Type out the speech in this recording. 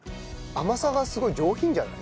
甘さがすごい上品じゃない？